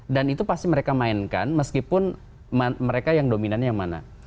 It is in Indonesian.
dan itu pasti mereka mainkan meskipun mereka yang dominan yang mana